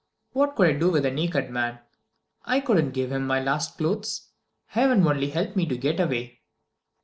What could I do with a naked man? I couldn't give him my last clothes. Heaven only help me to get away!"